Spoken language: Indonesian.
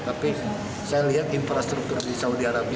tapi saya lihat infrastruktur di saudi arabia